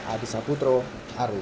adisa putro aruk